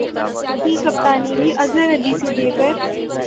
کی کپتانی بھی اظہر علی سے لے کر